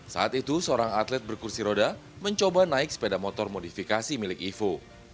saat itu seorang atlet berkursi roda mencoba naik sepeda motor modifikasi milik ivo